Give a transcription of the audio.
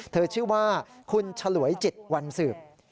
ชื่อว่าคุณฉลวยจิตวันสืบ